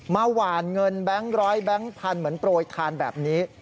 หวานเงินแบงค์ร้อยแบงค์พันธุ์เหมือนโปรยทานแบบนี้